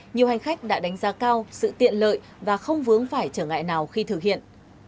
nhiều hành khách đã đánh giá cao sự tiện lợi và không vướng phải trở ngại nào khi thực hiện